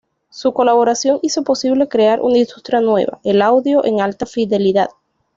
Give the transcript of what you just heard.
Su colaboración hizo posible crear una industria nueva: el audio en alta fidelidad.